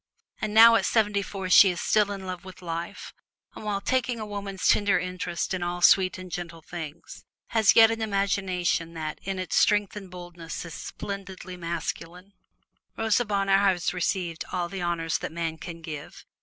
And now at seventy four she is still in love with life, and while taking a woman's tender interest in all sweet and gentle things, has yet an imagination that in its strength and boldness is splendidly masculine. Rosa Bonheur has received all the honors that man can give.